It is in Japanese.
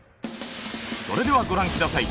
それではご覧下さい。